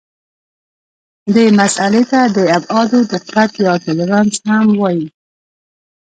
دې مسئلې ته د ابعادو دقت یا تولرانس هم وایي.